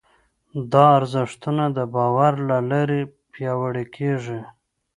دا ارزښتونه د باور له لارې پياوړي کېږي.